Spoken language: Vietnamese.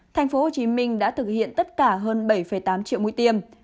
tp hcm đã thực hiện tất cả hơn bảy tám triệu mũi tiêm